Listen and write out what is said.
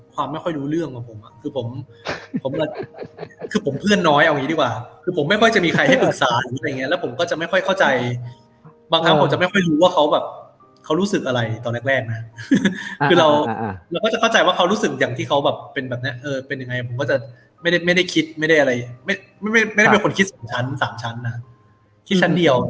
ความไม่ค่อยรู้เรื่องของผมอ่ะคือผมผมคือผมเพื่อนน้อยเอาอย่างนี้ดีกว่าคือผมไม่ค่อยจะมีใครให้ปรึกษาอะไรอย่างเงี้แล้วผมก็จะไม่ค่อยเข้าใจบางครั้งผมจะไม่ค่อยรู้ว่าเขาแบบเขารู้สึกอะไรตอนแรกนะคือเราเราก็จะเข้าใจว่าเขารู้สึกอย่างที่เขาแบบเป็นแบบเนี้ยเออเป็นยังไงผมก็จะไม่ได้ไม่ได้คิดไม่ได้อะไรไม่ได้เป็นคนคิดชั้น๓ชั้นนะคิดชั้นเดียว